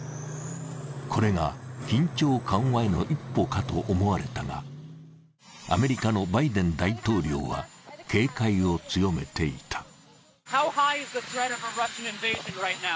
これが緊張緩和への一歩かと思われたが、アメリカのバイデン大統領は警戒を強めていた。